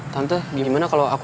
tante gimana kalau aku